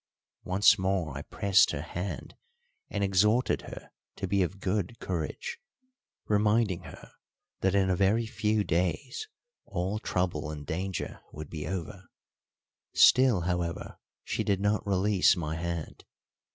Once more I pressed her hand and exhorted her to be of good courage, reminding her that in a very few days all trouble and danger would be over; still, however, she did not release my hand.